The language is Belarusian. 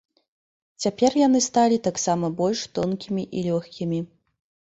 Цяпер яны сталі таксама больш тонкімі і лёгкімі.